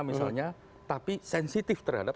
misalnya tapi sensitif terhadap